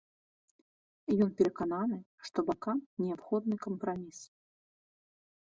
Ён перакананы, што бакам неабходны кампраміс.